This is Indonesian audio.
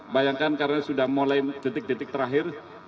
bayangkan karena sudah mulai detik detik terakhir